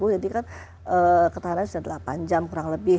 jadi kan ketahanannya sudah delapan jam kurang lebih